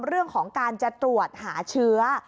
เรื่องของการจะตรวจหาเชื้อ